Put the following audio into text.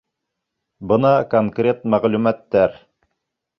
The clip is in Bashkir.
Бына конкрет мәғлүмәттәр.